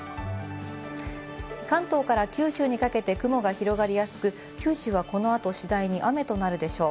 関東から九州にかけて雲が広がりやすく九州はこの後、次第に雨となるでしょう。